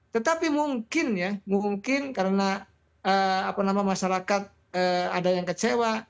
tetapi mungkin ya mungkin karena masyarakat ada yang kecewa